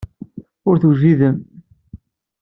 Ur tewjidem.